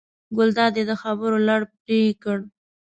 ګلداد یې د خبرو لړ پرې کړ.